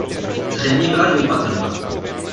Zřejmě byla dvoupatrová.